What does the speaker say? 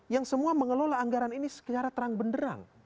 yang semua mengelola anggaran ini secara terang benderang